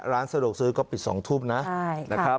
ร้านสะดวกซื้อก็ปิด๒ทุ่มนะครับ